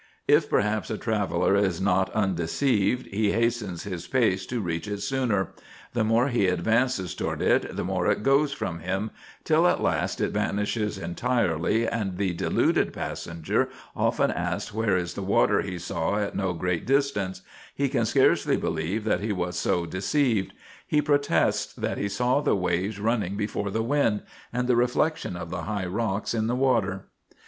If perchance a traveller is not undeceived, he hastens his pace to reach it sooner ; the more he advances towards it, the more it goes from him, till at last it vanishes entirely, and the deluded passenger often asks where is the water he saw at no great distance : he can scarcely believe that he was so deceived ; he protests that he saw the waves running before the wind, and the reflection of the high rocks in the water.